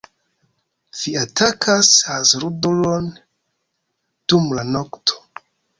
Vi atakas hazardulon dum la nokto.